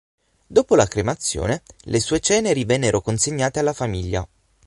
Dopo la cremazione, le sue ceneri vennero consegnate alla famiglia.